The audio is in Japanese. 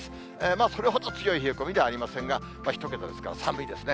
まあ、それほど強い冷え込みではありませんが、１桁ですから、寒いですね。